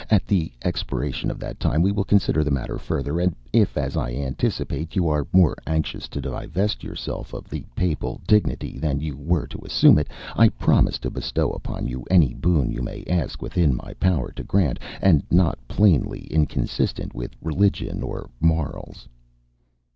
"At the expiration of that time we will consider the matter further; and if, as I anticipate, you are more anxious to divest yourself of the Papal dignity than you were to assume it, I promise to bestow upon you any boon you may ask within my power to grant, and not plainly inconsistent with religion or morals."